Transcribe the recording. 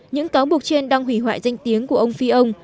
những cáo buộc trên đang hủy hoại danh tiếng của ông fillon